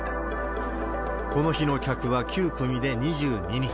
この日の客は９組で２２人。